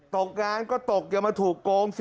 โต๊ะกร้านก็ไม่จะถูกโกง